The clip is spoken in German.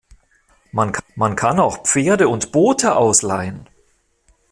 Man kann auch Pferde und Boote ausleihen.